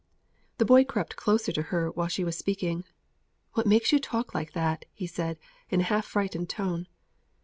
The boy crept closer to her while she was speaking. "What makes you talk like that?" he said, in a half frightened tone.